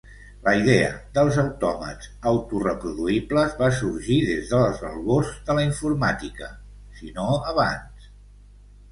La idea dels autòmats autoreproduïbles va sorgir des de les albors de la informàtica, si no abans.